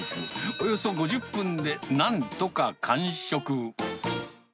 およそ５０分でなんとか完食。